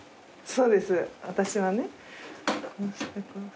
そうです私はね。